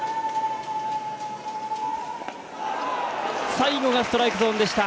最後がストライクゾーンでした。